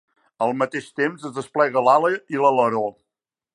Al mateix temps, es desplega l"ala i l"aleró.